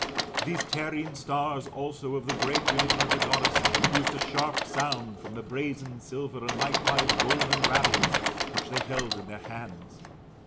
These terrene stars also, of the great religion of the Goddess, produced a sharp sound from the brazen, silver, and likewise golden rattles, which they held in their hands.